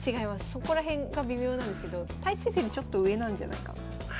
そこら辺が微妙なんですけど太地先生よりちょっと上なんじゃないかな。